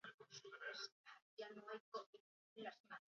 Historian duen garrantzia musikari zor zaio.